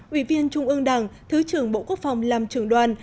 ủy viên trung ương đảng thứ trưởng bộ quốc phòng làm trưởng đoàn